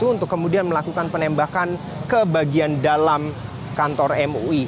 untuk kemudian melakukan penembakan ke bagian dalam kantor mui